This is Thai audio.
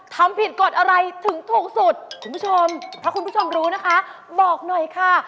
ทำผิดกฎอะไรถึงถูกสุดคุณผู้ชมถ้าคุณผู้ชมรู้นะคะบอกหน่อยค่ะ